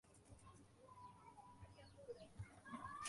A lokacin yaƙi, ƙasar Amurka ta tsayar da kasuwanci tsakaninta da Ingila.